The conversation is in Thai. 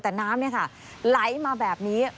แต่น้ำนี่ค่ะไหลมาแบบนี้